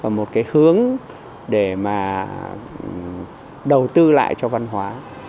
một cái hướng để mà đầu tư lại cho văn hóa